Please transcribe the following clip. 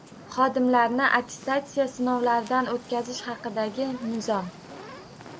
“Xodimlarni attestatsiya sinovlaridan o‘tkazish haqida”gi nizom